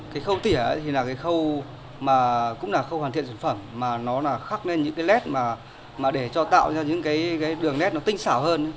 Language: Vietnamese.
cái khâu tỉa thì là cái khâu mà cũng là khâu hoàn thiện sản phẩm mà nó là khắc lên những cái led mà để cho tạo ra những cái đường nét nó tinh xảo hơn